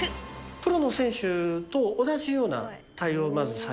プロの選手と同じような対応